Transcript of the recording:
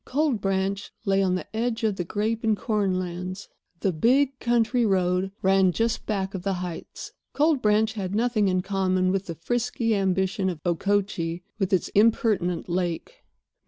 Cold Branch lay on the edge of the grape and corn lands. The big country road ran just back of the heights. Cold Branch had nothing in common with the frisky ambition of Okochee with its impertinent lake.